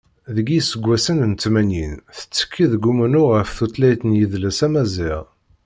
Deg yiseggasen n tmanyin, tettekki deg umennuɣ ɣef tutlayt d yidles amaziɣ.